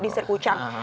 di distrik ucang